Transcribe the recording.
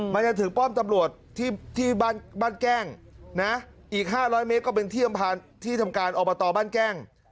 มันจะถึงป้อมตำรวจที่บ้านแกล้งนะอีก๕๐๐เมตรก็เป็นที่อำเภอที่ทำการอบตบ้านแกล้ง